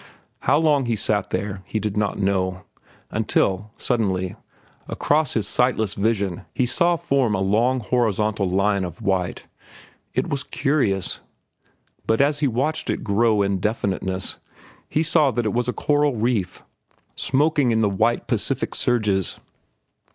How long he sat there he did not know, until, suddenly, across his sightless vision he saw form a long horizontal line of white. It was curious. But as he watched it grow in definiteness he saw that it was a coral reef smoking in the white Pacific surges.